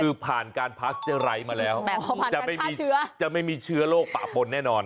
คือผ่านการพัสจะไร้มาแล้วจะไม่มีเชื้อโรคปะปนแน่นอน